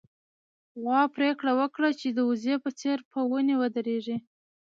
غوا پرېکړه وکړه چې د وزې په څېر په ونې ودرېږي.